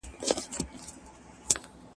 غاښ چي رنځور سي، نو د انبور سي ..